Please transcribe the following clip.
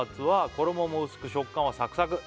「衣も薄く食感はサクサク」